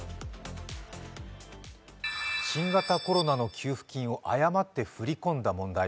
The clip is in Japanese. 新型コロナの給付金を誤って振り込んだ問題。